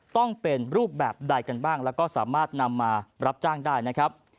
ต้องเป็นรูปแบบใดกันบ้างแล้วก็สามารถนำมารับจ้างได้นะครับ